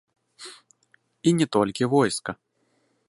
І не толькі войска.